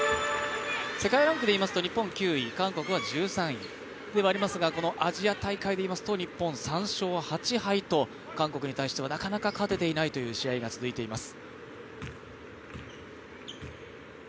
世界ランクでいいますと、日本が９位韓国は１３位ではありますがこのアジア大会でいいますと日本３勝８敗と、韓国に対してはなかなか勝てていない試合が続いています。